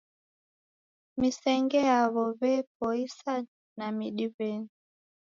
Misenge yaw'o w'epoisa na midi w'eni.